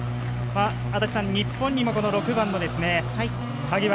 安達さん、日本にも６番の萩原。